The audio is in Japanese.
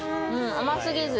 甘すぎず。